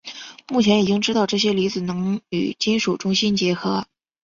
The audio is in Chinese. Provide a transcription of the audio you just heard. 目前已经知道这些离子能与金属中心结合。